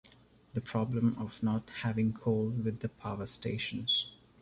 The problem of not having coal with the power stations.